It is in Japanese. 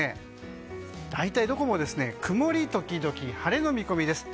明日は大体どこも曇り時々晴れの見込みです。